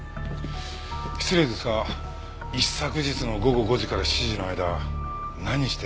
失礼ですが一昨日の午後５時から７時の間何してらっしゃいましたか？